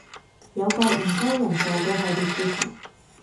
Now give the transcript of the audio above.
有個梧州人做嘅系列視頻